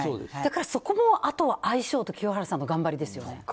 だからあとは相性と清原さんの頑張りですよね。